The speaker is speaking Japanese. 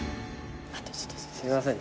すいません。